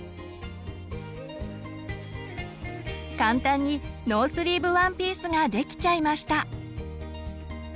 簡単にノースリーブワンピースができちゃいました。